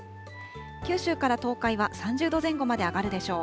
九州から東海は３０度前後まで上がるでしょう。